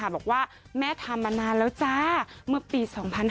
บอกว่าแม่ทำมานานแล้วจ้าเมื่อปี๒๕๕๙